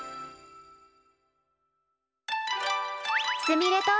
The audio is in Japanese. すみれと。